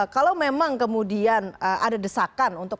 kalau memang kemudian ada desakan untuk